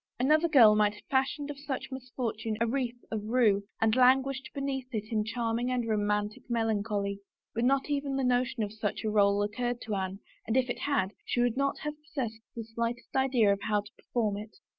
Another girl might have fashioned of such misfortune a wreath of rue and languished beneath it in charming and romantic melan choly, but not even the notion of such a role occurred to Anne, and if it had, she would not have possessed the slightest idea of how to perform it.